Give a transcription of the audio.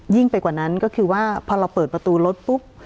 ไปกว่านั้นก็คือว่าพอเราเปิดประตูรถปุ๊บ